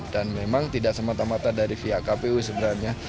dan memang tidak semata mata dari pihak kpu sebenarnya